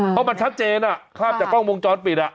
เพราะมันชัดเจนภาพจากกล้องวงจรปิด